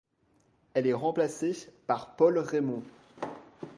Elle est remplacée par Paul Raymond.